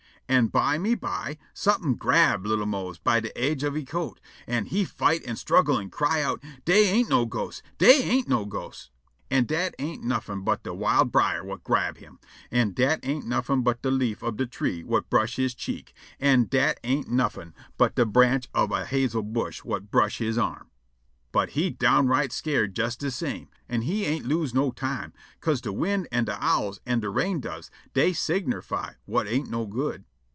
An' byme by somefin' grab' li'l' Mose by de aidge of he coat, an' he fight' an' struggle' an' cry out: "Dey ain't no ghosts. Dey ain't no ghosts." An' dat ain't nuffin' but de wild brier whut grab' him, an' dat ain't nuffin' but de leaf ob a tree whut brush' he cheek, an' dat ain't nuffin' but de branch ob a hazel bush whut brush' he arm. But he downright scared jes de same, an' he ain't lose no time, 'ca'se de wind an' de owls an' de rain doves dey signerfy whut ain't no good.